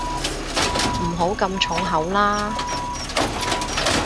唔好咁重口啦